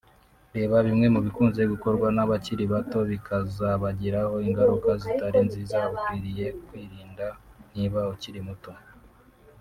reba bimwe mu bikunze gukorwa n’abakiri bato bikazabagiraho ingaruka zitari nziza ukwiriye kwirinda niba ukiri muto